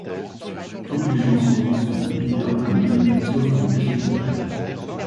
Toutes les chansons sont de Peter Hammill, sauf indication contraire.